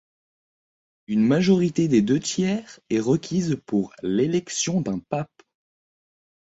Une majorité des deux tiers est requise pour l'élection d'un pape.